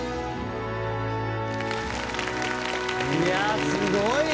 いやすごい！